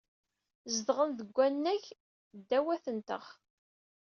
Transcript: Zedɣen deg wannag ddaw-atneɣ.